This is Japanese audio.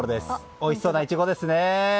おいしそうなイチゴですね。